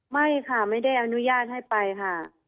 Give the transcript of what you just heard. ไม่ค่ะไม่ได้อนุญาตให้ไปค่ะ